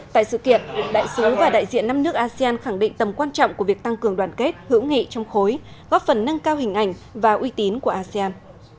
tại sự kiện đại sứ và đại diện năm nước asean khẳng định tầm quan trọng của việc tăng cường đoàn kết hữu nghị trong khối góp phần nâng cao hình ảnh và uy tín của asean